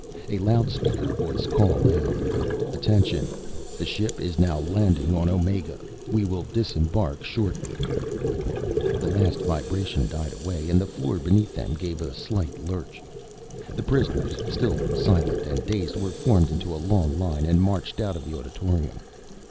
A loudspeaker voice called out, "Attention! The ship is now landing on Omega. We will disembark shortly." The last vibration died away, and the floor beneath them gave a slight lurch. The prisoners, still silent and dazed, were formed into a long line and marched out of the auditorium.